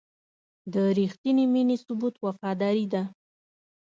د رښتینې مینې ثبوت وفاداري ده.